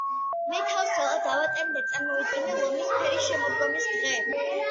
მე თავს ძალა დავატანე და წარმოციდგინე ლომის ფერი შემოდგომის დღე.